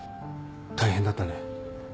大変だったね。